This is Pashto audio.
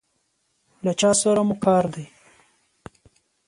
له چا سره مو کار دی؟